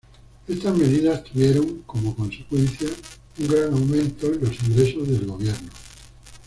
Estas medidas tuvieron como consecuencia un gran aumento en los ingresos del gobierno.